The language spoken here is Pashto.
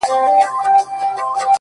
زه به څرنگه مخ اړوم يارانو’